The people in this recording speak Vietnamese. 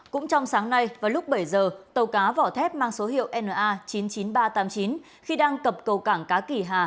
cũng trong sáng nay và lúc bảy giờ tàu cá vỏ thép mang số hiệu na chín mươi chín nghìn ba trăm tám mươi chín khi đang cập cầu cảng cá kỳ hà